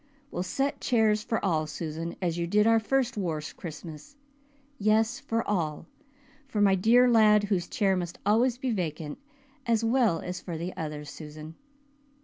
We'll set chairs for all, Susan, as you did our first war Christmas yes, for all for my dear lad whose chair must always be vacant, as well as for the others, Susan."